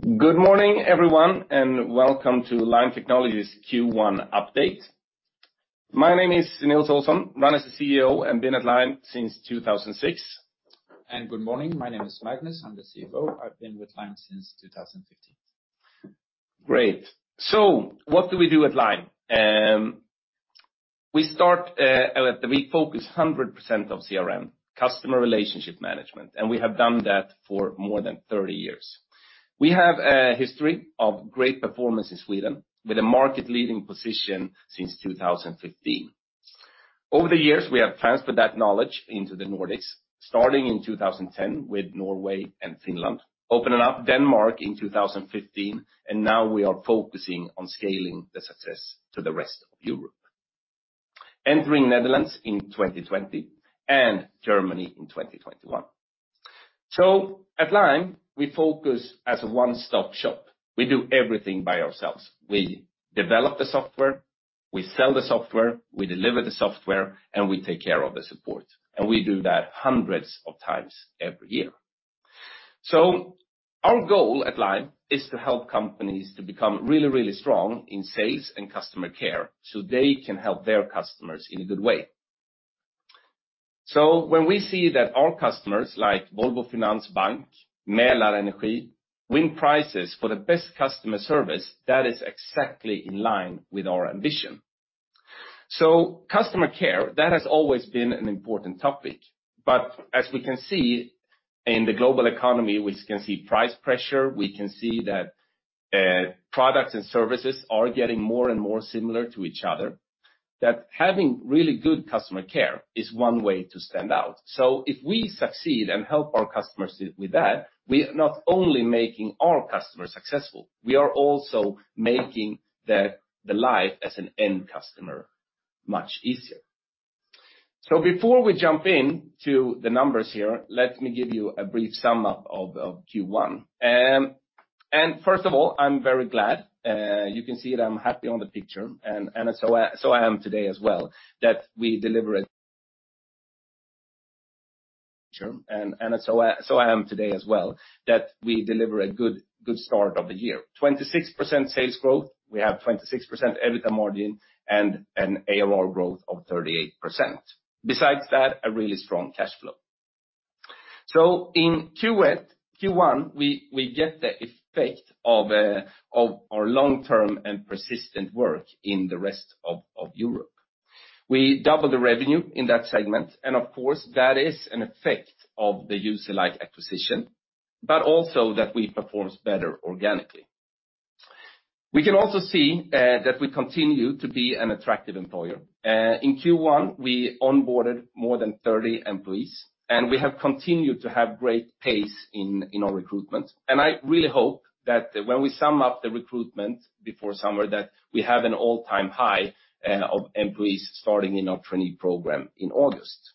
Good morning, everyone, and welcome to Lime Technologies Q1 update. My name is Nils Olsson. I'm the CEO and I've been at Lime since 2006. Good morning. My name is Magnus. I'm the CFO. I've been with Lime since 2015. Great. What do we do at Lime? We focus 100% on CRM, customer relationship management, and we have done that for more than 30 years. We have a history of great performance in Sweden with a market-leading position since 2015. Over the years, we have transferred that knowledge into the Nordics, starting in 2010 with Norway and Finland, opening up Denmark in 2015, and now we are focusing on scaling the success to the rest of Europe, entering Netherlands in 2020 and Germany in 2021. At Lime, we focus as a one-stop shop. We do everything by ourselves. We develop the software, we sell the software, we deliver the software, and we take care of the support. We do that hundreds of times every year. Our goal at Lime is to help companies to become really, really strong in sales and customer care, so they can help their customers in a good way. When we see that our customers like Volvofinans Bank, Mälarenergi, win prices for the best customer service, that is exactly in line with our ambition. Customer care, that has always been an important topic. As we can see in the global economy, we can see price pressure, we can see that, products and services are getting more and more similar to each other, that having really good customer care is one way to stand out. If we succeed and help our customers with that, we are not only making our customers successful, we are also making the life as an end customer much easier. Before we jump into the numbers here, let me give you a brief sum up of Q1. First of all, I'm very glad you can see that I'm happy on the picture, and so I am today as well that we deliver a good start of the year. 26% sales growth. We have 26% EBITDA margin and an ARR growth of 38%. Besides that, a really strong cash flow. In Q1, we get the effect of our long-term and persistent work in the rest of Europe. We double the revenue in that segment, and of course, that is an effect of the Userlike acquisition, but also that we performed better organically. We can also see that we continue to be an attractive employer. In Q1, we onboarded more than 30 employees, and we have continued to have great pace in our recruitment. I really hope that when we sum up the recruitment before summer, that we have an all-time high of employees starting in our trainee program in August.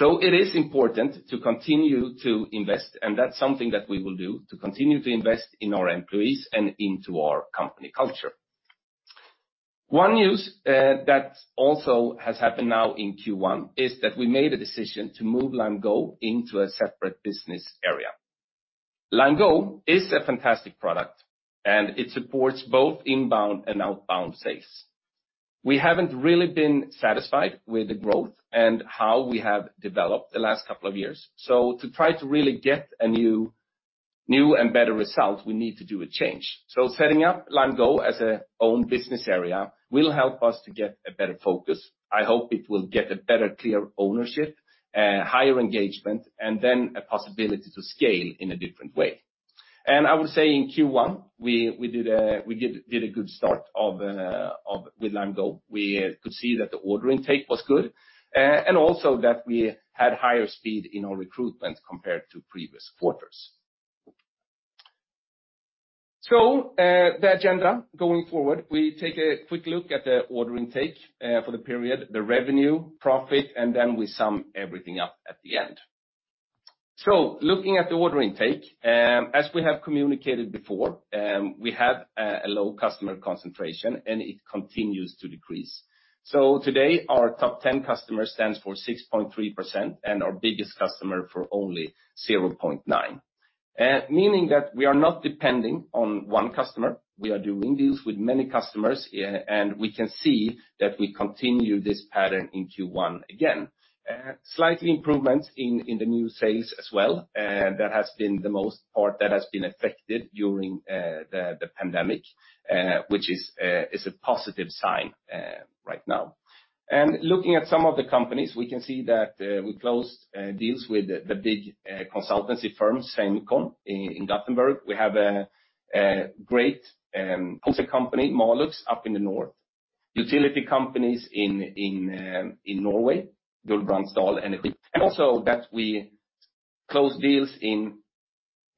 It is important to continue to invest, and that's something that we will do to continue to invest in our employees and into our company culture. One news that also has happened now in Q1 is that we made a decision to move Lime Go into a separate business area. Lime Go is a fantastic product, and it supports both inbound and outbound sales. We haven't really been satisfied with the growth and how we have developed the last couple of years. To try to really get a new and better result, we need to do a change. Setting up Lime Go as its own business area will help us to get a better focus. I hope it will get better clearer ownership, higher engagement, and then a possibility to scale in a different way. I would say in Q1, we did a good start with Lime Go. We could see that the order intake was good, and also that we had higher speed in our recruitment compared to previous quarters. The agenda going forward, we take a quick look at the order intake for the period, the revenue, profit, and then we sum everything up at the end. Looking at the order intake, as we have communicated before, we have a low customer concentration, and it continues to decrease. Today, our top 10 customers stands for 6.3%, and our biggest customer for only 0.9%. Meaning that we are not depending on one customer. We are doing deals with many customers here, and we can see that we continue this pattern in Q1 again. Slightly improvement in the new sales as well. That has been the most part that has been affected during the pandemic, which is a positive sign right now. Looking at some of the companies, we can see that we closed deals with the big consultancy firms, Semcon in Gothenburg. We have a great concert company, Marlux, up in the north. Utility companies in Norway, Gudbrandsdal Energi. We also closed deals in Denmark with Provinord. We closed deals in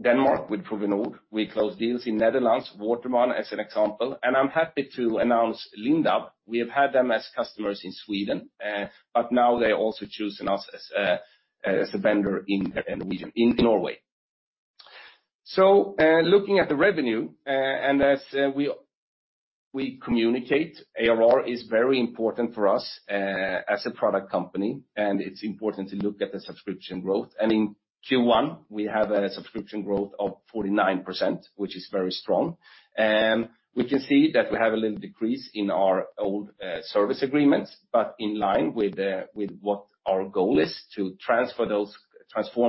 the Netherlands, Waternet, as an example. I'm happy to announce Lindab. We have had them as customers in Sweden, but now they're also choosing us as a vendor in the region, in Norway. Looking at the revenue, and as we communicate, ARR is very important for us, as a product company, and it's important to look at the subscription growth. In Q1, we have a subscription growth of 49%, which is very strong. We can see that we have a little decrease in our old service agreements, but in line with what our goal is to transform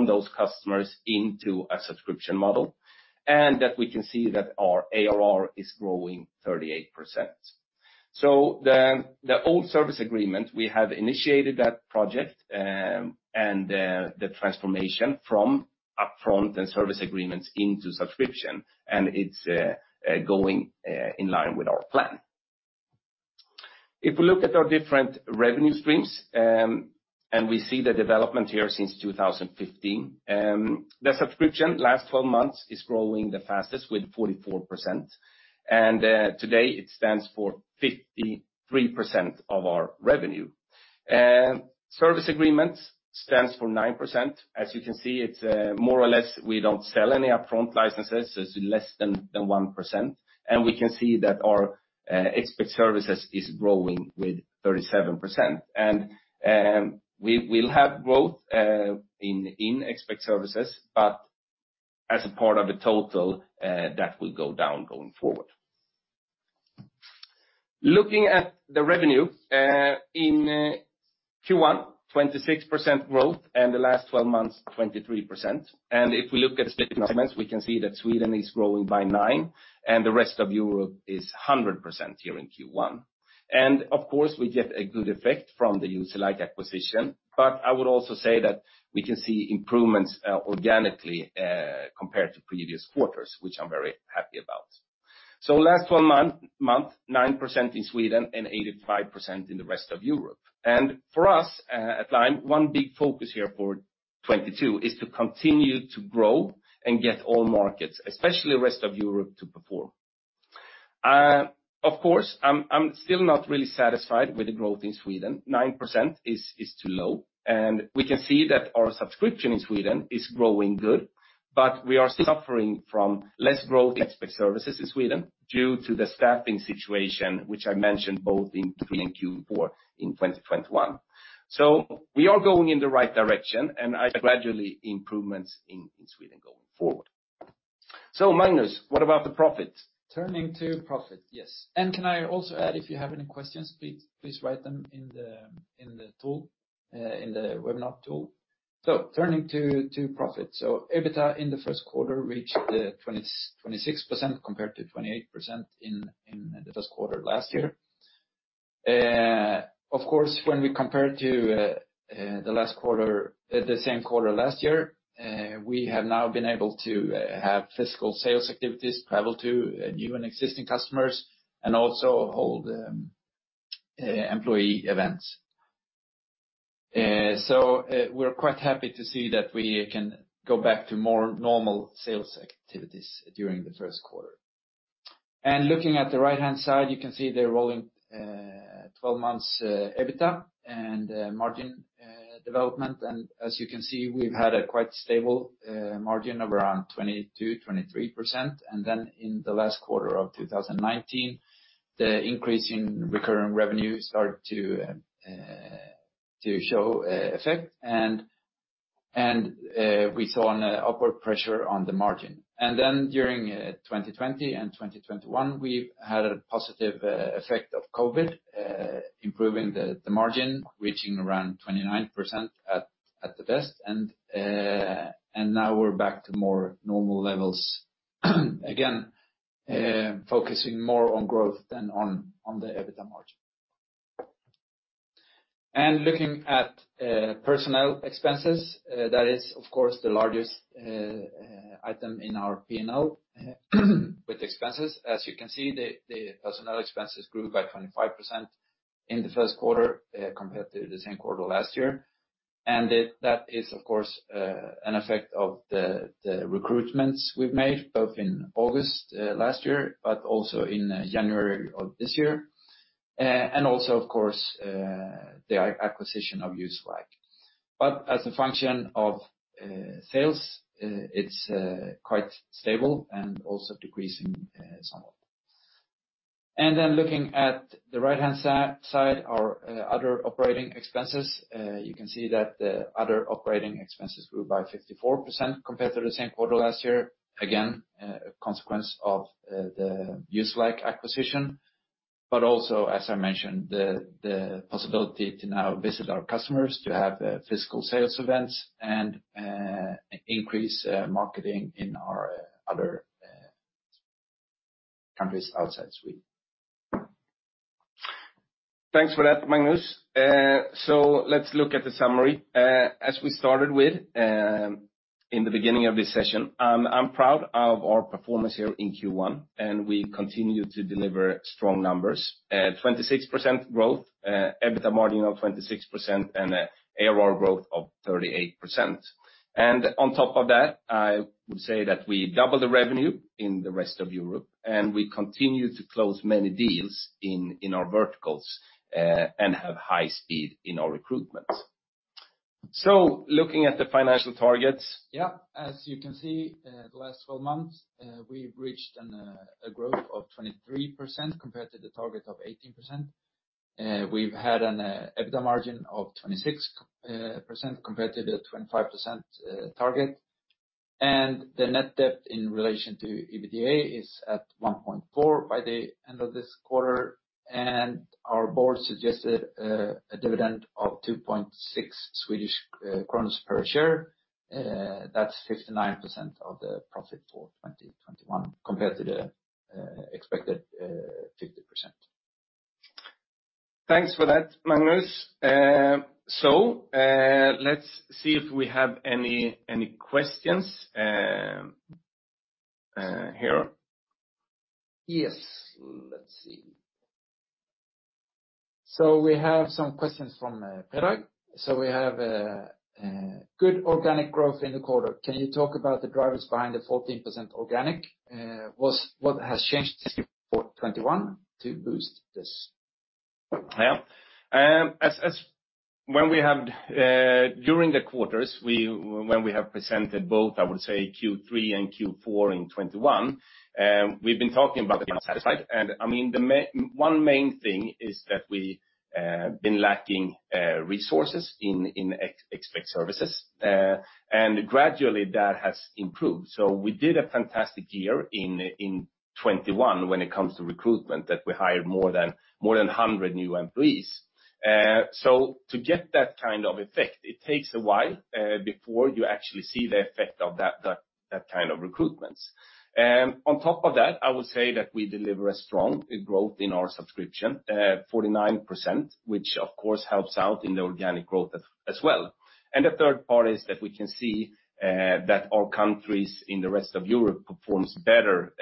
those customers into a subscription model. That we can see that our ARR is growing 38%. The old service agreement, we have initiated that project, and the transformation from upfront and service agreements into subscription, and it's going in line with our plan. If we look at our different revenue streams, and we see the development here since 2015, the subscription last twelve months is growing the fastest with 44%. Today, it stands for 53% of our revenue. Service agreements stands for 9%. As you can see, it's more or less we don't sell any upfront licenses, so it's less than 1%. We can see that our expert services is growing with 37%. We will have growth in expert services, but as a part of the total, that will go down going forward. Looking at the revenue in Q1, 26% growth, and the last twelve months, 23%. If we look at the segments, we can see that Sweden is growing by 9%, and the rest of Europe is 100% here in Q1. Of course, we get a good effect from the Userlike acquisition. I would also say that we can see improvements organically compared to previous quarters, which I'm very happy about. Last month, 9% in Sweden and 85% in the rest of Europe. For us at Lime, one big focus here for 2022 is to continue to grow and get all markets, especially the rest of Europe, to perform. Of course, I'm still not really satisfied with the growth in Sweden. 9% is too low. We can see that our subscription in Sweden is growing good, but we are still suffering from less growth in expert services in Sweden due to the staffing situation, which I mentioned both in Q3 and Q4 in 2021. We are going in the right direction, and gradual improvements in Sweden going forward. Magnus, what about the profits? Turning to profit, yes. Can I also add, if you have any questions, please write them in the tool, in the webinar tool. Turning to profit. EBITDA in the first quarter reached 26% compared to 28% in the first quarter last year. Of course, when we compare to the same quarter last year, we have now been able to have physical sales activities, travel to new and existing customers, and also hold employee events. We're quite happy to see that we can go back to more normal sales activities during the first quarter. Looking at the right-hand side, you can see the rolling twelve months EBITDA and margin development. As you can see, we've had a quite stable margin of around 22%-23%. Then in the last quarter of 2019, the increase in recurring revenue started to show effect. We saw an upward pressure on the margin. During 2020 and 2021, we've had a positive effect of COVID improving the margin, reaching around 29% at the best. Now we're back to more normal levels again focusing more on growth than on the EBITDA margin. Looking at personnel expenses, that is, of course, the largest item in our P&L with expenses. As you can see, the personnel expenses grew by 25% in the first quarter compared to the same quarter last year. That is, of course, an effect of the recruitments we've made, both in August last year, but also in January of this year. Also, of course, the acquisition of Userlike. But as a function of sales, it's quite stable and also decreasing somewhat. Looking at the right-hand side, our other operating expenses, you can see that the other operating expenses grew by 54% compared to the same quarter last year. Again, a consequence of the Userlike acquisition. As I mentioned, the possibility to now visit our customers to have physical sales events and increase marketing in our other countries outside Sweden. Thanks for that, Magnus. Let's look at the summary. As we started with, in the beginning of this session, I'm proud of our performance here in Q1, and we continue to deliver strong numbers. 26% growth, EBITDA margin of 26% and ARR growth of 38%. On top of that, I would say that we doubled the revenue in the rest of Europe, and we continue to close many deals in our verticals, and have high speed in our recruitment. Looking at the financial targets. Yeah. As you can see, the last 12 months, we've reached a growth of 23% compared to the target of 18%. We've had an EBITDA margin of 26% compared to the 25% target. The net debt in relation to EBITDA is at 1.4 by the end of this quarter. Our board suggested a dividend of 2.6 Swedish crowns per share. That's 59% of the profit for 2021 compared to the expected 50%. Thanks for that, Magnus. Let's see if we have any questions here. Yes. Let's see. We have some questions from Perai. We have good organic growth in the quarter. Can you talk about the drivers behind the 14% organic? What has changed since Q4 2021 to boost this? During the quarters when we have presented both, I would say Q3 and Q4 in 2021, we've been talking about the unsatisfied. I mean, one main thing is that we've been lacking resources in expert services. Gradually, that has improved. We did a fantastic year in 2021 when it comes to recruitment that we hired more than 100 new employees. To get that kind of effect, it takes a while before you actually see the effect of that kind of recruitment. On top of that, I would say that we deliver a strong growth in our subscription 49%, which of course helps out in the organic growth as well. The third part is that we can see that our countries in the rest of Europe performs better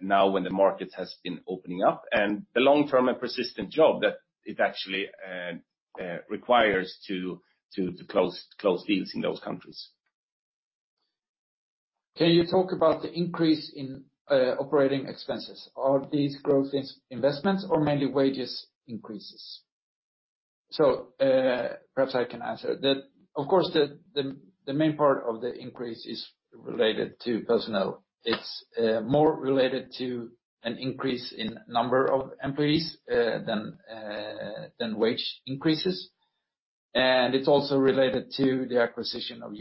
now when the market has been opening up. The long-term and persistent job that it actually requires to close deals in those countries. Can you talk about the increase in operating expenses? Are these growth in investments or mainly wage increases? Perhaps I can answer. Of course, the main part of the increase is related to personnel. It's more related to an increase in number of employees than wage increases. It's also related to the acquisition of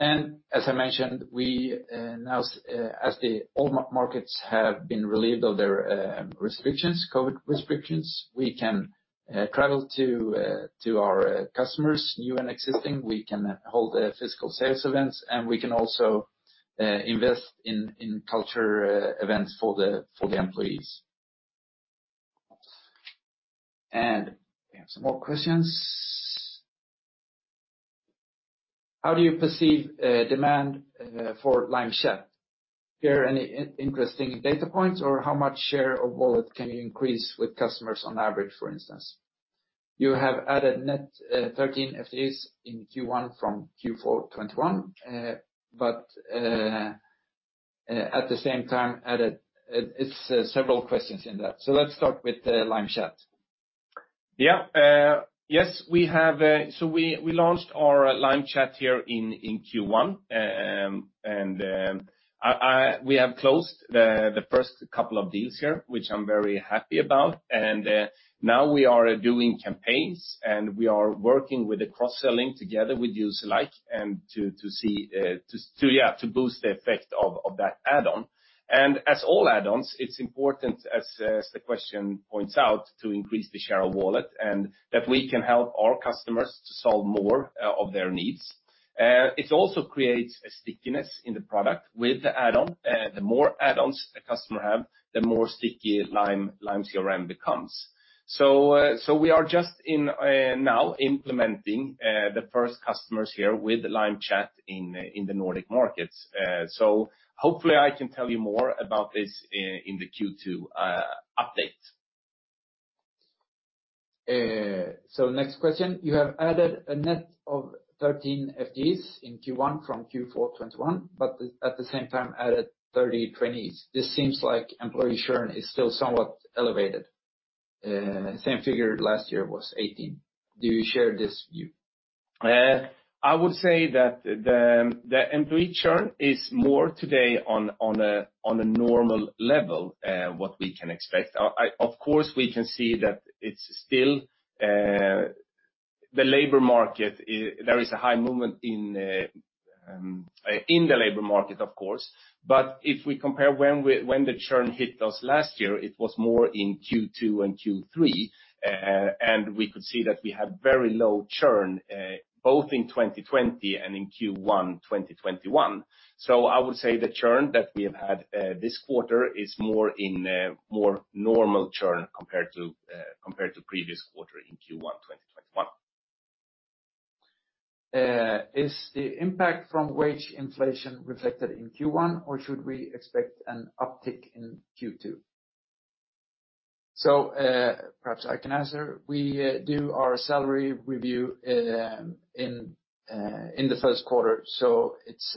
Userlike. As I mentioned, we now, as all markets have been relieved of their restrictions, COVID restrictions, we can travel to our customers, new and existing. We can hold physical sales events, and we can also invest in culture events for the employees. We have some more questions. How do you perceive demand for Lime Chat? Are there any interesting data points or how much share of wallet can you increase with customers on average, for instance? You have added net 13 FTEs in Q1 from Q4 2021, but it's several questions in that. Let's start with the Lime Chat. Yes, we launched our Lime Chat here in Q1. We have closed the first couple of deals here, which I'm very happy about. Now we are doing campaigns, and we are working with the cross-selling together with Userlike and to see to boost the effect of that add-on. As all add-ons, it's important, as the question points out, to increase the share of wallet and that we can help our customers to solve more of their needs. It also creates a stickiness in the product with the add-on. The more add-ons a customer have, the more sticky Lime CRM becomes. We are just now implementing the first customers here with Lime Chat in the Nordic markets. Hopefully, I can tell you more about this in the Q2 update. Next question. You have added a net of 13 FTEs in Q1 from Q4 2021, but at the same time added 30 trainees. This seems like employee churn is still somewhat elevated. Same figure last year was 18. Do you share this view? I would say that the employee churn is more today on a normal level, what we can expect. Of course, we can see that it's still the labor market. There is a high movement in the labor market, of course. If we compare when the churn hit us last year, it was more in Q2 and Q3. We could see that we had very low churn both in 2020 and in Q1 2021. I would say the churn that we have had this quarter is more normal churn compared to previous quarter in Q1 2021. Is the impact from wage inflation reflected in Q1, or should we expect an uptick in Q2? Perhaps I can answer. We do our salary review in the first quarter. It's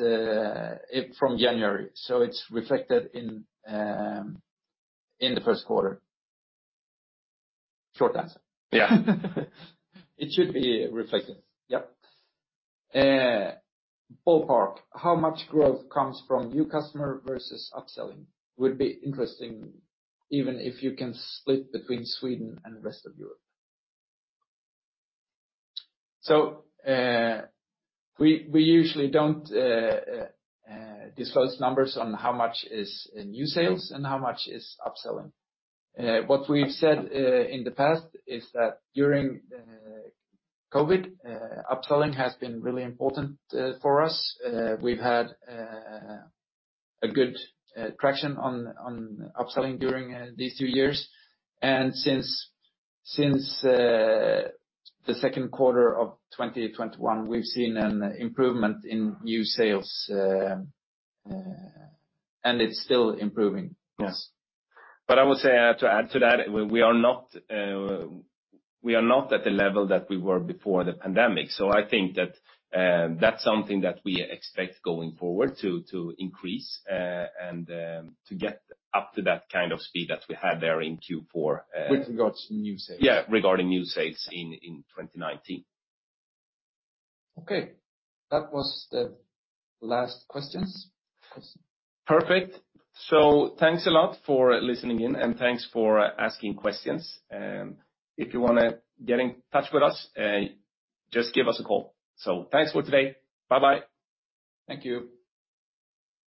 from January. It's reflected in the first quarter. Short answer. Yeah. It should be reflected. Yep. Ballpark, how much growth comes from new customer versus upselling? Would be interesting even if you can split between Sweden and the rest of Europe. We usually don't disclose numbers on how much is new sales and how much is upselling. What we've said in the past is that during COVID, upselling has been really important for us. We've had a good traction on upselling during these two years. Since the second quarter of 2021, we've seen an improvement in new sales and it's still improving. Yes. I would say, to add to that, we are not at the level that we were before the pandemic. I think that's something that we expect going forward to increase, and to get up to that kind of speed that we had there in Q4. With regards to new sales. Yeah, regarding new sales in 2019. Okay. That was the last questions. Perfect. Thanks a lot for listening in, and thanks for asking questions. If you wanna get in touch with us, just give us a call. Thanks for today. Bye-bye. Thank you.